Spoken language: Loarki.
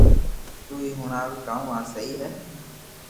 تو ھي ھڻاو ڪاو آ سھي ھي